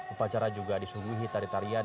upacara juga disuduhi tarian tarian